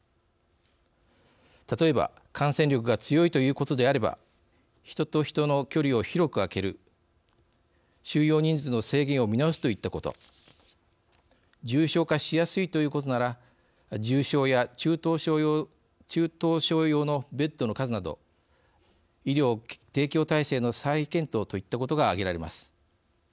例えば感染力が強いということであれば人と人の距離を広く空ける収容人数の制限を見直すといったこと重症化しやすいということなら重症や中等症用のベッドの数など医療提供体制の再検討といったことが挙げられます。